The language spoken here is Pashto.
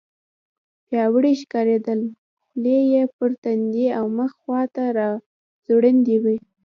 پیاوړي ښکارېدل، خولۍ یې پر تندي او مخ خواته راځوړندې وې.